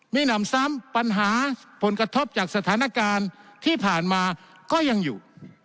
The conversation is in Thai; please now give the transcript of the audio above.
มีหนำซ้ำปัญหาผลกระทบจากสถานการณ์ที่ผ่านมาก็ยังอยู่